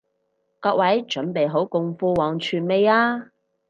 各位準備好共赴黃泉未啊？